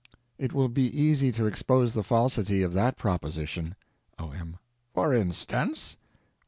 It will be easy to expose the falsity of that proposition. O.M. For instance?